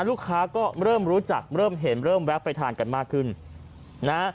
ลูกค้าก็เริ่มรู้จักเริ่มเห็นเริ่มแวะไปทานกันมากขึ้นนะฮะ